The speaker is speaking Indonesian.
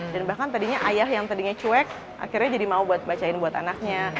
dan bahkan tadinya ayah yang tadinya cuek akhirnya jadi mau buat bacain buat anaknya